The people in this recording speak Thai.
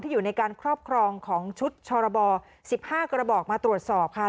อยู่ในการครอบครองของชุดชรบ๑๕กระบอกมาตรวจสอบค่ะ